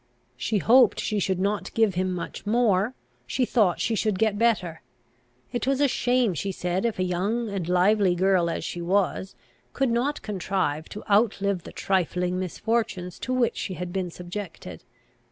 She hoped she should not give him much more; she thought she should get better. It was a shame, she said, if a young and lively girl, as she was, could not contrive to outlive the trifling misfortunes to which she had been subjected.